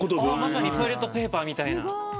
まさにトイレットペーパーみたいな。